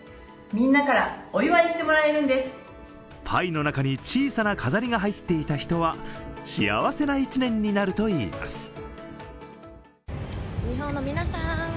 パイの中に小さな飾りが入っていた人は、幸せな１年になるといいます。